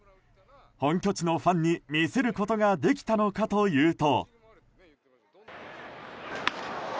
本拠地のファンに見せることができたのかというと。